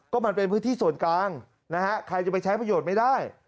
ก็มันเป็นพื้นที่ส่วนกลางนะฮะใครจะไปใช้ประโยชน์ไม่ได้